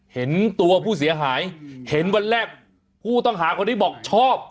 เห็นตัวผู้เสียหายเห็นวันแรกผู้ต้องหาคนนี้บอกชอบ